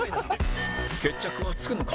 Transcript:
決着はつくのか？